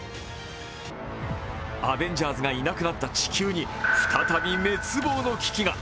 アベンジャーズがいなくなった地球に再び滅亡の危機が。